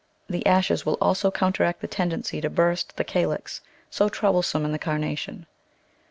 The ashes will also counteract the tendency to burst the calyx, so troublesome in the Carnation.